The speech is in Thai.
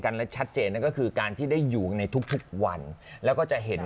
ชัดเจนนั่นก็คือการที่ได้อยู่ในทุกทุกวันแล้วก็จะเห็น